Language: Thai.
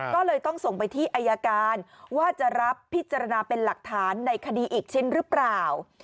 ก็เลยต้องส่งไปที่อายการว่าจะรับพิจารณาเป็นหลักฐานในคดีอีกชิ้นหรือเปล่า